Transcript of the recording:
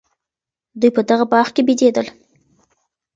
دوی په دغه باغ کي بېدېدل.